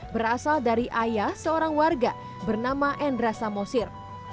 berasal dari ayah seorang warga bernama endra samosir